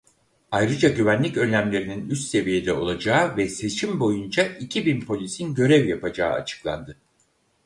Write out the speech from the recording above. Ayrıca güvenlik önlemlerinin üst seviyede olacağı ve seçim boyunca iki bin polisin görev yapacağı açıklandı.